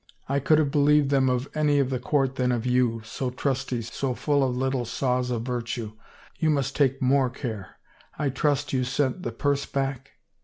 " I could have believed them of any of the court than of you, so trusty, so full of little saws of virtue. ... You must take more care. ... I trust you sent the purse back